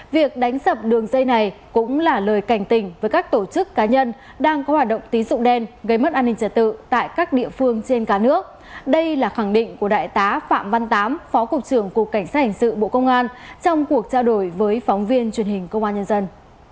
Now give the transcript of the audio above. việc đánh sập đường dây này cũng là lời cảnh tình với các tổ chức cá nhân đang có hoạt động tín dụng đen gây mất an ninh trật tự tại các địa phương trên cả nước đây là khẳng định của đại tá phạm văn tám phó cục trưởng cục cảnh sát hình sự bộ công an trong cuộc trao đổi với phóng viên truyền hình công an nhân dân